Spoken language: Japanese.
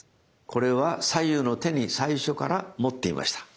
これは左右の手に最初から持っていました。